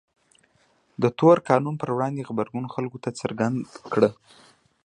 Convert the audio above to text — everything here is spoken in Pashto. د تور قانون پر وړاندې غبرګون خلکو ته څرګنده کړه.